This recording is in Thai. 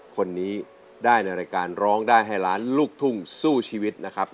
คนนี้ได้ในรายการร้องได้ให้ล้านลูกทุ่งสู้ชีวิตนะครับ